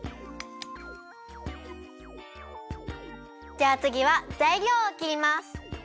じゃあつぎはざいりょうをきります。